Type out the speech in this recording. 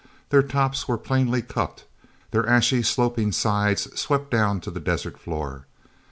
Their tops were plainly cupped; their ashy sloping sides swept down to the desert floor.